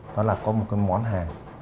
đó là có một cái món hàng